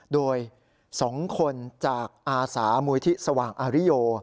โดย๒คนจากอาสามูลที่สว่างอาริโย